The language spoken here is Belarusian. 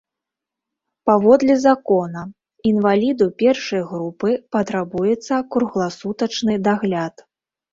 Паводле закона, інваліду першай групы патрабуецца кругласутачны дагляд.